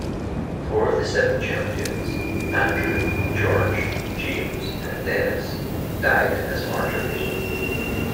Four of the Seven Champions-Andrew, George, James, and Denis-died as martyrs.